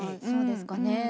そうですかね。